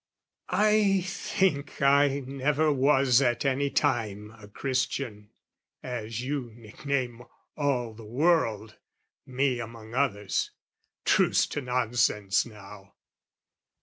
I think I never was at any time A Christian, as you nickname all the world, Me among others: truce to nonsense now!